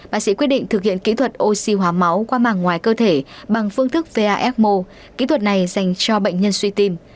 bác sĩ quyết định thực hiện kỹ thuật oxy hóa máu qua màng ngoài cơ thể bằng phương thức vasmo kỹ thuật này dành cho bệnh nhân suy tim